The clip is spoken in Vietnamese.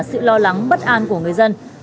sự lo lắng bất an của người dân